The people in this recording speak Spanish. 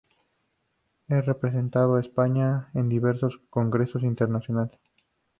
Ha representado a España en diversos Congresos Internacionales.